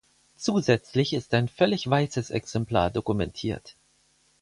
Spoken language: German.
Zusätzlich ist ein völlig weißes Exemplar dokumentiert.